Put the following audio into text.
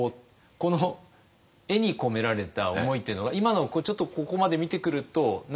この絵に込められた思いっていうのは今のちょっとここまで見てくると何か感じるところあるんですか？